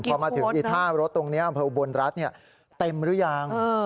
เขามาถึงอีก๕รถตรงนี้บนรัฐเนี่ยเต็มหรือยัง